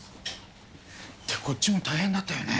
ってこっちも大変だったよね。